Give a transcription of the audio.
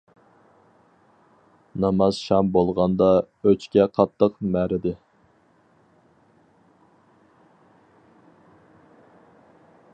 ناماز شام بولغاندا ئۆچكە قاتتىق مەرىدى.